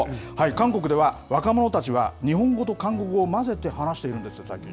韓国では、若者たちは日本語と韓国語を交ぜて話しているんです、最近。